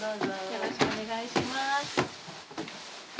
よろしくお願いします。